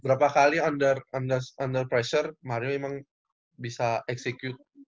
berapa kali under pressure mario memang bisa execute